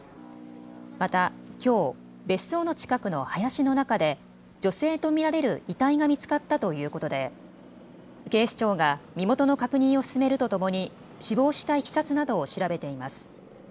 また、きょう別荘の近くの林の中で女性と見られる遺体が見つかったということで警視庁が身元の確認を進めるとともに死亡したいきさつなどを調べています。